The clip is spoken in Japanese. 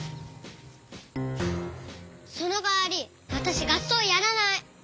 そのかわりわたしがっそうやらない。